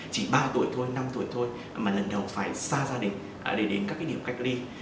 chỉ ba tuổi thôi năm tuổi thôi mà lần đầu phải xa gia đình để đến các cái điểm cách ly